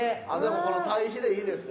この対比でいいですよ。